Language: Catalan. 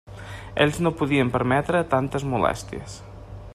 Ells no podien permetre tantes molèsties.